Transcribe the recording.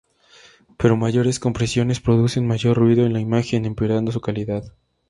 Pero mayores compresiones producen mayor ruido en la imagen, empeorando su calidad.